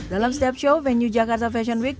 dalam setiap show venue jakarta fashion week